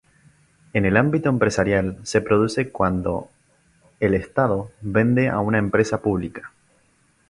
En el ámbito empresarial, se produce cuando el estado vende una empresa pública.